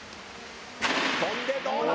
跳んでどうだ？